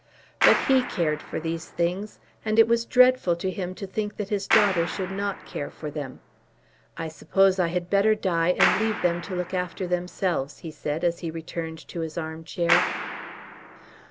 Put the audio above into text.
But he cared for these things; and it was dreadful to him to think that his daughter should not care for them. "I suppose I had better die and leave them to look after themselves," he said, as he returned to his arm chair.